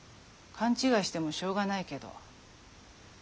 勘違いしてもしょうがないけど。